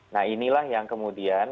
nah inilah yang kemudian